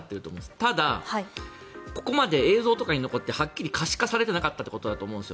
ただ、ここまで映像とかに残ってはっきり可視化されてなかったってことだと思うんですよ。